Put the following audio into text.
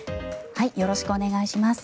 よろしくお願いします。